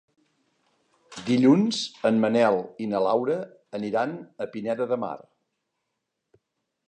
Dilluns en Manel i na Laura aniran a Pineda de Mar.